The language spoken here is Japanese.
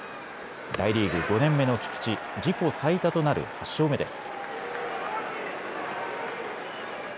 大リーグ５年目の菊池、自己最多となる８勝目です。